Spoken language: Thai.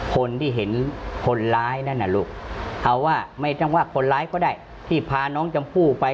คนที่เห็นคนร้ายนั่นน่ะลูกเอาว่าไม่ต้องว่าคนร้ายก็ได้ที่พาน้องชมพู่ไป